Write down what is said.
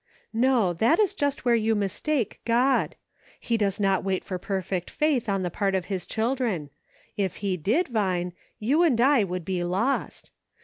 " No, it is just there where you mistake God ; he does not wait for perfect faith on the part of his children ; if he did. Vine, you and I would be lost.